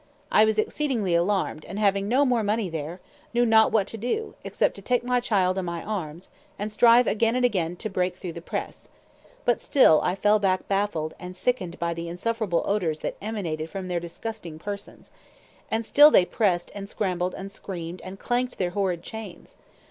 I was exceedingly alarmed, and having no more money there, knew not what to do, except to take my child in my arms, and strive again and again to break through the press; but still I fell back baffled, and sickened by the insufferable odors that emanated from their disgusting persons; and still they pressed and scrambled and screamed, and clanked their horrid chains.